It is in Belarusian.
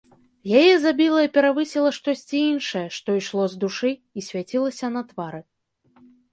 Яе забіла і перавысіла штосьці іншае, што ішло з душы і свяцілася на твары.